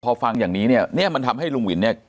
พอฟังอย่างนี้เนี่ยเนี่ยมันทำให้ลุงวินเนี่ย